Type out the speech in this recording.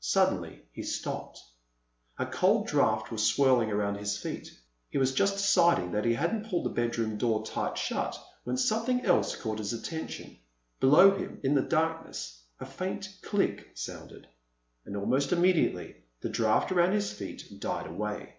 Suddenly he stopped. A cold draft was swirling around his feet. He was just deciding that he hadn't pulled the bedroom door tight shut when something else caught his attention. Below him, in the darkness, a faint click sounded. And almost immediately the draft around his feet died away.